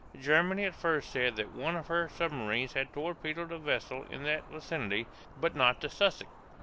Germany at first said that one of her submarines had torpedoed a vessel in the vicinity, but not the "Sussex."